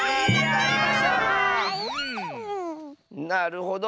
なるほど。